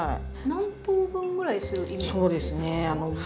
何等分ぐらいするイメージですか？